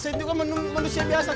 saya itu kan manusia biasa